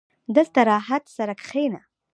• دلته راحت سره کښېنه.